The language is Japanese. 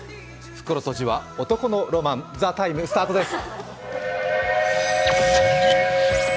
袋とじは男のロマン、「ＴＨＥＴＩＭＥ，」スタートです。